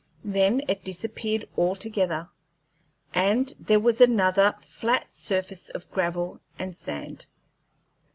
Then it disappeared altogether, and there was another flat surface of gravel and sand.